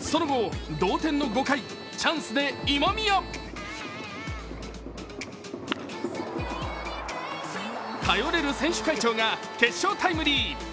その後、同点の５回、チャンスで今宮頼れる選手会長が決勝タイムリー。